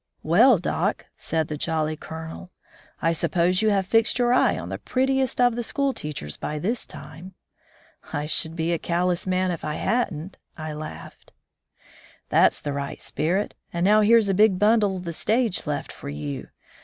" WeU, doc," said the jolly Colonel, "I sup pose you have fixed your eye on the prettiest of the school teachers by this time !" "I should be a callous man if I hadn't," I laughed. 89 From the Deep Woods to CivUizalion *^ That's the right spirit. And now, here's a big bundle the stage left for you.